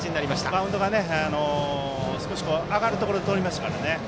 マウンドが上がるところでとりましたからね。